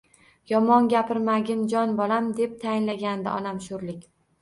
Yomon gapirmagin, jon bolam, deb tayinlagandi onam sho`rlik